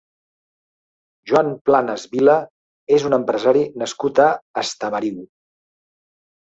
Joan Planes Vila és un empresari nascut a Estamariu.